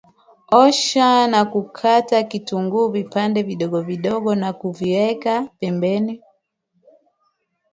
Osha na kukata kitunguu vipande vidogo vidogo na kuviweka pembeni